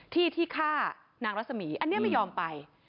ที่ที่ฆ่านางรัศมีอันนี้ไม่ยอมไป